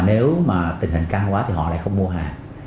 nếu mà tình hình cao quá thì họ lại không mua hàng